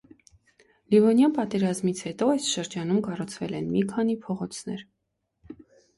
Լիվոնյան պատերազմից հետո այս շրջանում կառուցվել են մի քանի փողոցներ։